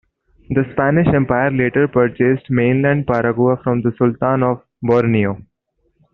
The Spanish Empire later purchased mainland Paragua from the Sultan of Borneo.